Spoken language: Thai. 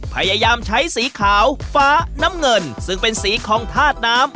พยายามใช้สีขาวฟ้าน้ำเงินซึ่งเป็นสีของธาตุน้ำ